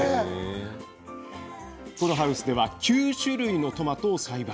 このハウスでは９種類のトマトを栽培。